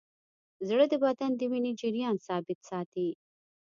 زړه د بدن د وینې جریان ثابت ساتي.